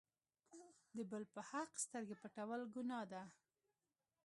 د بل په حق سترګې پټول ګناه ده.